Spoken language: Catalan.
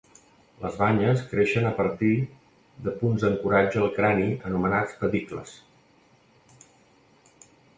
Les banyes creixen a partir de punts d'ancoratge al crani anomenats pedicles.